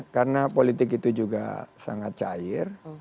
karena politik itu juga sangat cair